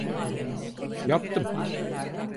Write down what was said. Yaptım.